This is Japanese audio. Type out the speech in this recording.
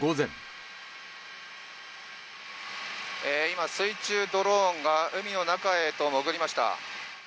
今、水中ドローンが海の中へと潜りました。